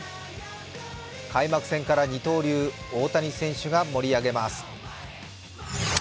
開幕戦から二刀流・大谷選手が盛り上げます。